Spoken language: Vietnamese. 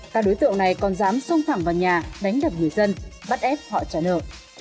các đối tượng này còn dám xông thẳng vào nhà đánh đập người dân bắt ép họ trả nợ